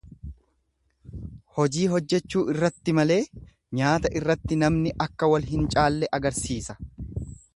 Hojii hojjechuu irratti malee nyaata irratti namni akka wal hin caalle agarsiisa.